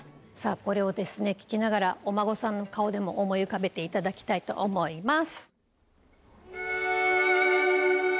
これを聴きながらお孫さんの顔でも思い浮かべていただきたいと思います。